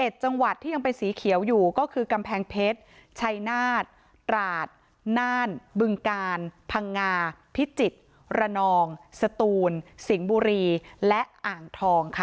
จังหวัดที่ยังเป็นสีเขียวอยู่ก็คือกำแพงเพชรชัยนาฏตราดน่านบึงกาลพังงาพิจิตรระนองสตูนสิงห์บุรีและอ่างทองค่ะ